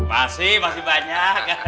masih masih banyak